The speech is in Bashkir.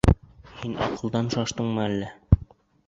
Һин аҡылдан шаштыңмы әллә?